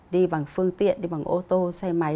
đi bằng phương tiện đi bằng ô tô xe máy